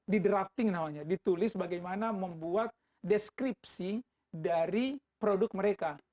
di drafting namanya ditulis bagaimana membuat deskripsi dari produk mereka